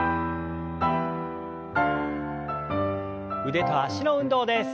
腕と脚の運動です。